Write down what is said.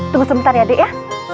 tunggu sebentar ya dek ya